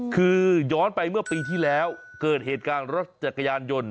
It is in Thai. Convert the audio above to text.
คือย้อนไปเมื่อปีที่แล้วเกิดเหตุการณ์รถจักรยานยนต์